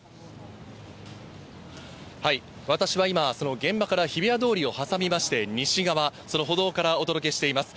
私は今、その現場から日比谷通りを挟みまして西側、その歩道からお届けしています。